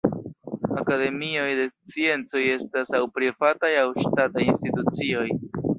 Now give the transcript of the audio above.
Akademioj de Sciencoj estas aŭ privataj aŭ ŝtataj institucioj.